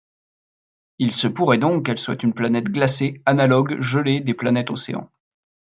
Il se pourrait donc qu'elle soit une planète glacée, analogue gelé des planètes océans.